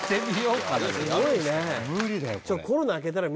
すごいね。